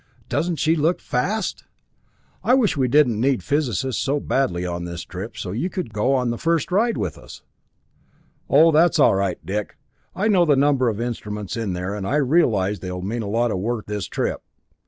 Doesn't she look fast? I wish we didn't need physicists so badly on this trip, so you could go on the first ride with us." "Oh, that's all right, Dick, I know the number of instruments in there, and I realize they will mean a lot of work this trip.